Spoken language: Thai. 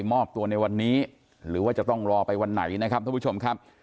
มอบตัวในวันนี้หรือว่าจะต้องรอไปวันไหนนะครับท่านผู้ชมครับ